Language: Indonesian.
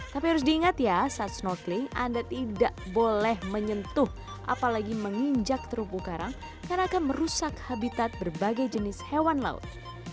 tapi harus diingat ya saat snorkeling anda tidak boleh menyentuh apalagi menginjak terumbu karang karena akan merusak habitat berbagai jenis hewan laut